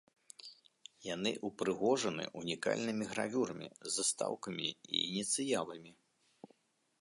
Яны ўпрыгожаны унікальнымі гравюрамі, застаўкамі і ініцыяламі.